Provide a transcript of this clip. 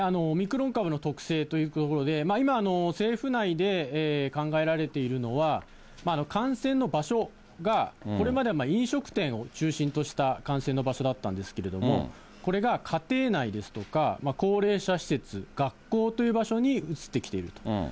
オミクロン株の特性というところで、今、政府内で考えられているのは、感染の場所が、これまでは飲食店を中心とした感染の場所だったんですけれども、これが家庭内ですとか、高齢者施設、学校という場所に移ってきていると。